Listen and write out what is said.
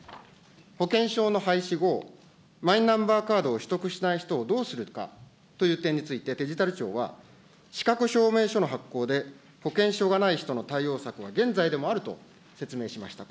保険証の廃止後、マイナンバーカードを取得しない人をどうするかということについて、デジタル庁は、資格証明書の発行で、保険証がない人の対応策は現在でもあると説明しました。